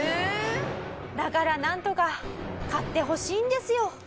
「だからなんとか買ってほしいんですよ」。